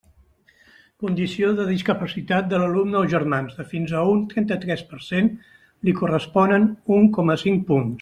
Condició de discapacitat de l'alumne o germans de fins a un trenta-tres per cent, li corresponen un coma cinc punts.